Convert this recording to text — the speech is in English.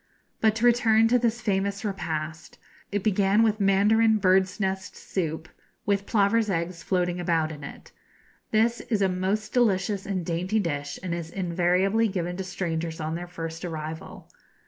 But to return to this famous repast. It began with mandarin bird's nest soup, with plover's eggs floating about in it. This is a most delicious and dainty dish, and is invariably given to strangers on their first arrival.